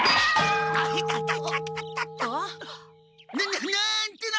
ななんてな！